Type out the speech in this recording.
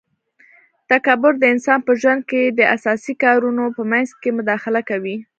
تکبر د انسان په ژوند کي د اساسي کارونو په منځ کي مداخله کوي